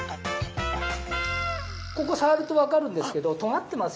ここ触ると分かるんですけどとがってますよね。